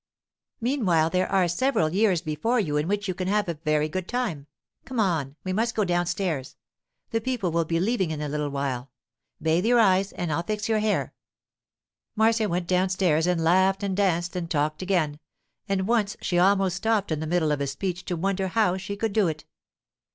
Meanwhile there are several years before you in which you can have a very good time. Come on; we must go downstairs. The people will be leaving in a little while. Bathe your eyes, and I'll fix your hair.' Marcia went downstairs and laughed and danced and talked again, and once she almost stopped in the middle of a speech to wonder how she could do it.